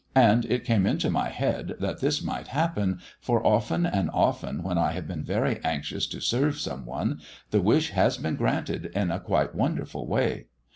And it came into my head that this might happen, for often and often when I have been very anxious to serve some one, the wish has been granted in a quite wonderful way.